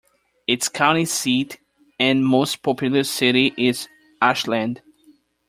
Its county seat and most populous city is Ashland.